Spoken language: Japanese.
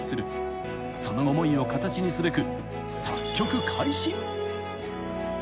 ［その思いを形にすべく］